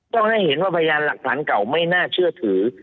ต้องให้เห็นว่าพยานหลักฐานเก่าไม่น่าเชื่อถือ